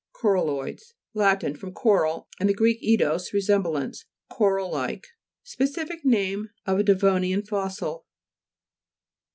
CORALLOI'DES Lat. from coral and the Gr. eidos, resemblance. Coral like. Specific name of a devonian fossil (p.